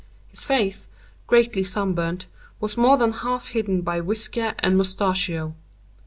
His face, greatly sunburnt, was more than half hidden by whisker and _mustachio.